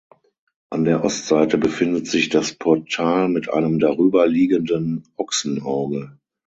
An der Ostseite befindet sich das Portal mit einem darüber liegenden Ochsenauge.